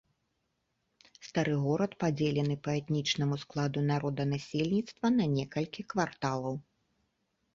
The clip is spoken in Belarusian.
Стары горад падзелены па этнічнаму складу народанасельніцтва на некалькі кварталаў.